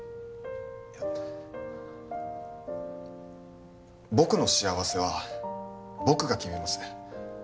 いや僕の幸せは僕が決めます